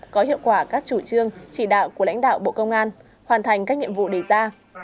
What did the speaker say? có hiệu quả các chủ trương chỉ đạo của lãnh đạo bộ công an hoàn thành các nhiệm vụ đề ra